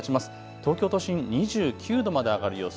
東京都心２９度まで上がる予想。